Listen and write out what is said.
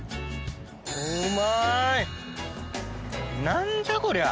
何じゃこりゃ！